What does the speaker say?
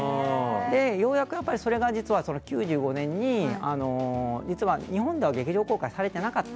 ようやくそれが実は９５年に実は日本では劇場公開されていなかった。